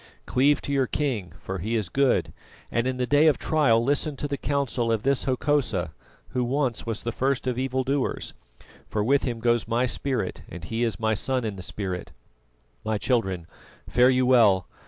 Cleave to your king, for he is good; and in the day of trial listen to the counsel of this Hokosa who once was the first of evil doers, for with him goes my spirit, and he is my son in the spirit. "My children, fare you well!